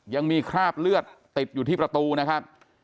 ยังมีคราบเลือดติดอยู่ที่ประตูนะครับ